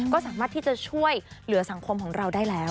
ก็สามารถที่จะช่วยเหลือสังคมของเราได้แล้ว